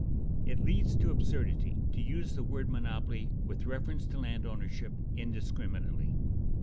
It leads to absurdity to use the word monopoly with reference to landownership indiscriminately.